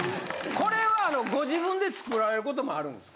これはご自分で作られることもあるんですか？